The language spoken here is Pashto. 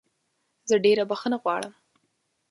زه ډېره بخښنه غواړم